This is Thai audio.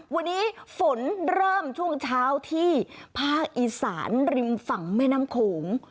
วันนี้ฝนเริ่มช่วงเช้าที่ภาคอีสานริมฝั่งแม่น้ำโขง